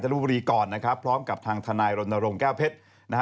รูปบุรีก่อนนะครับพร้อมกับทางทนายรณรงค์แก้วเพชรนะฮะ